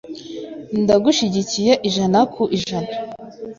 Ndagushyigikiye ijana ku ijana .